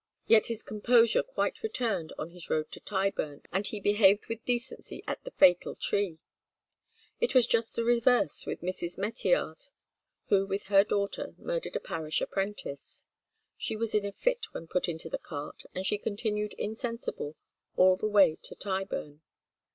Yet his composure quite returned on his road to Tyburn, and he "behaved with decency at the fatal tree." It was just the reverse with Mrs. Meteyard, who with her daughter murdered a parish apprentice. She was in a fit when put into the cart, and she continued insensible all the way to Tyburn.